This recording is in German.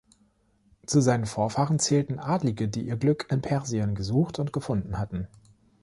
Zu seinen Vorfahren zählten Adlige, die ihr Glück in Persien gesucht und gefunden hatten.